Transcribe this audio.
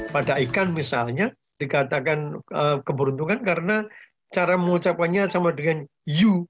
pada ikan misalnya dikatakan keberuntungan karena cara mengucapkannya sama dengan yu